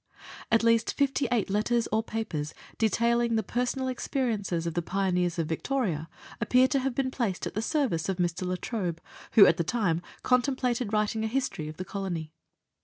At least 58 letters or papers, detailing the personal experiences of the pioneers of Victoria, appear to have been placed at the service of Mr. La Trobe, who at the time con templated writing a history of the Colony.